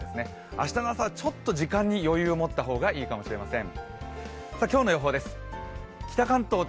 明日の朝はちょっと時間に余裕を持った方がいいかもしれません。